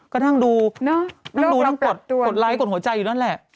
ก็ดูดูกดไลค์กดหัวใจอยู่นั้นแหละ